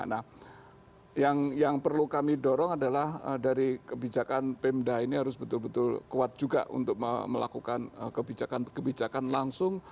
nah yang perlu kami dorong adalah dari kebijakan pemda ini harus betul betul kuat juga untuk melakukan kebijakan kebijakan langsung